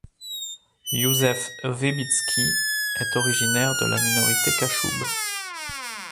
Józef Wybicki est originaire de la minorité cachoube.